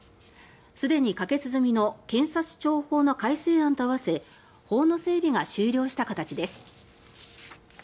すでに可決済みの検察庁法の改正案と合わせ法の整備が終了した形です。